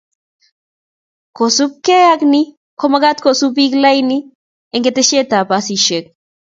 Kosubkei ak ni ko magat kosub bik lain eng ketesyosiekab basisiek